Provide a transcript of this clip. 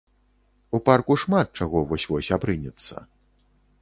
У парку шмат чаго вось-вось абрынецца.